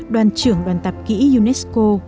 đoàn trưởng đoàn tập kỹ unesco